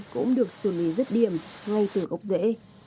cũng được xử lý rất điểm ngay từ gốc rễ